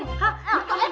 gak penting banget